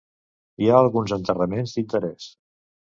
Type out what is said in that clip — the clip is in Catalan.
Hi ha alguns enterraments d'interès.